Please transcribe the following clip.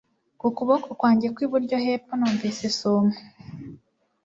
Ku kuboko kwanjye kw'iburyo hepfo numvise isumo